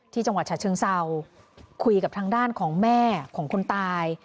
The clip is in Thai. จังหวัดฉะเชิงเศร้าคุยกับทางด้านของแม่ของคนตาย